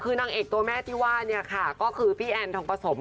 คือนังเอกตัวแม่ที่ว่าคือพี่แอนธองประสม